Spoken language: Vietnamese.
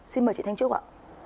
xin mời chị thanh trúc ạ